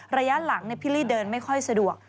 ระยะหลังพี่ลี่เดินไม่ค่อยสะดวก